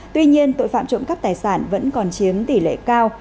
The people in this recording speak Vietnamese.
tuy nhiên tội phạm trộm cắp tài sản vẫn còn chiếm tỷ lệ cao